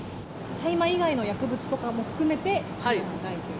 大麻以外の薬物とかも含めてないという。